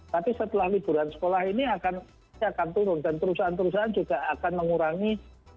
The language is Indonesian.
tapi setelah liburan sekolah ini akan turun dan perusahaan perusahaan juga akan mengurangi